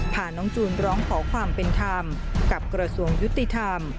พาน้องจูนร้องขอความเป็นธรรมกับกระทรวงยุติธรรม